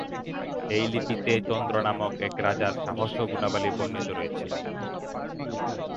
এই লিপিতে চন্দ্র নামক এক রাজার সাহস ও গুণাবলী বর্নিত রয়েছে।